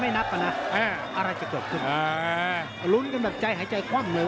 มันจะไม่ให้ใจความเว้ย